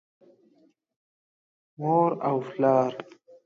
مور او پلار